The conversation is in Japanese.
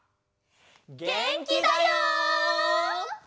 げんきだよ！